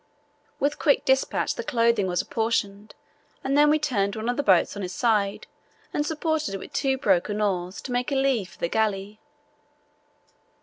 With quick dispatch the clothing was apportioned, and then we turned one of the boats on its side and supported it with two broken oars to make a lee for the galley.